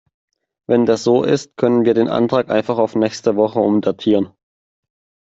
Wenn das so ist, können wir den Antrag einfach auf nächste Woche umdatieren.